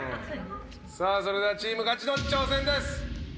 さあそれではチームガチの挑戦です。